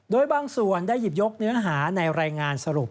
โดยบางส่วนได้หยิบยกเนื้อหาในรายงานสรุป